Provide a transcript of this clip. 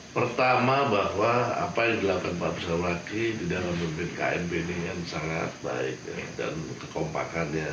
pertama bahwa apa yang dilakukan pak ustadz bakri di dalam memimpin kmp ini yang sangat baik ya dan kekompakannya